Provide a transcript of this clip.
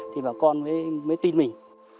thì bà con mới tin mình